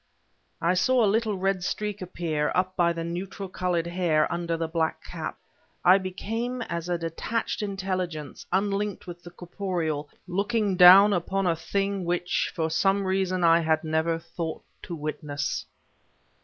I saw a little red streak appear, up by the neutral colored hair, under the black cap. I became as a detached intelligence, unlinked with the corporeal, looking down upon a thing which for some reason I had never thought to witness.